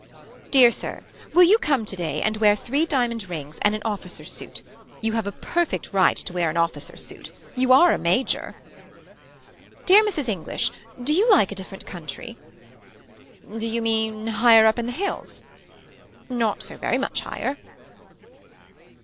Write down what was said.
Dear Sir. Will you come today and wear three diamond rings and an officers suit. You have a perfect right to wear an officer's suit. You are a major. Dear Mrs. English. Do you like a different country. Do you mean higher up in the hills. Not so very much higher.